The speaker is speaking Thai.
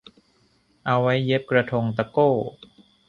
เอาไว้เย็บกระทงตะโก้